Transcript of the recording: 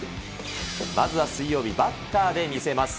まずは水曜日、バッターで見せます。